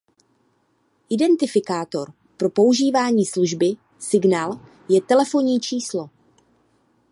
Identifikátor pro používání služby Signal je telefonní číslo.